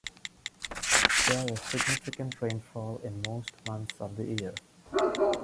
There is significant rainfall in most months of the year.